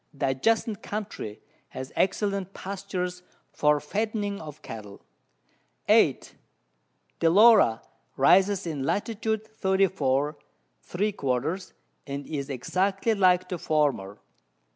The adjacent Country has excellent Pastures for fattening of Cattle. 8. Delora rises in Lat. 34 three quarters, and is exactly like the former.